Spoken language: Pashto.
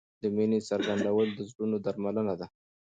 د مینې څرګندول د زړونو درملنه ده.